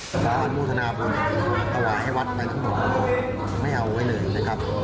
หวังว่านุโมทนาบุญอาหว่าให้วัดมาทั้งหมดไม่เอาไว้หนึ่งนะครับ